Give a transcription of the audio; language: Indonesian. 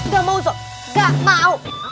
gak mau sob gak mau